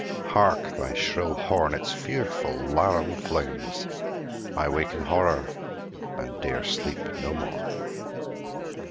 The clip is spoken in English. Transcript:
Hark, thy shrill horn its fearful laram flings! —I wake in horror, and 'dare sleep no more!